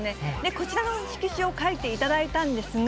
こちらの色紙を書いていただいたんですが、